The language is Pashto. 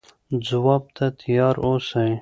ځواب ته تیار اوسئ.